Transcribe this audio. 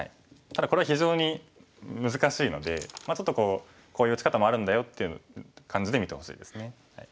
ただこれは非常に難しいのでちょっとこうこういう打ち方もあるんだよっていう感じで見てほしいですね。